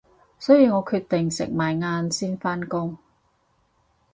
所以我決定食埋晏先返工